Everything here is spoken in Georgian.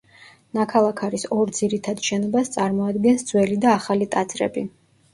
ნაქალაქარის ორ ძირითად შენობას წარმოადგენს ძველი და ახალი ტაძრები.